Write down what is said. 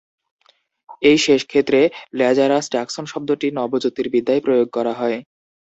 এই শেষ ক্ষেত্রে, ল্যাজারাস ট্যাক্সন শব্দটি নবজ্যোতির্বিদ্যায় প্রয়োগ করা হয়।